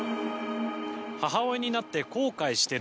「母親になって後悔してる」。